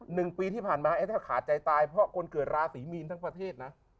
หนึ่งปีที่ผ่านมาถ้าขาดใจตายเพราะคนเกิดราศีมีนทั้งประเทศนะ